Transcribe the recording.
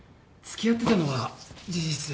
付き合ってたのは事実ですけど。